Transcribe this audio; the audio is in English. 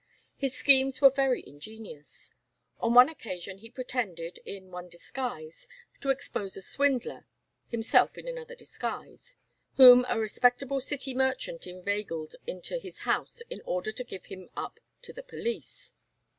His schemes were very ingenious. On one occasion he pretended, in one disguise, to expose a swindler (himself in another disguise), whom a respectable city merchant inveigled into his house in order to give him up to the police.